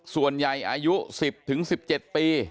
ส่วนใหญ่อายุ๑๐ถึง๑๗ปี